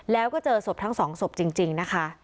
แล้วก็เจอศพทั้งสองศพจริงนะคะ